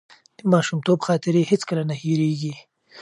د ماشومتوب خاطرې هیڅکله نه هېرېږي.